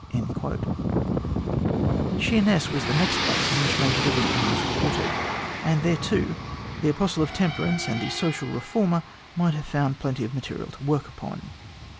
Sheerness was the next place in which Major de Winton was quartered, and there, too, the apostle of temperance and the social reformer might have found plenty of material to work upon.